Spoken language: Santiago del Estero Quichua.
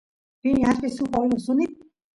rini aspiy suk oyot suni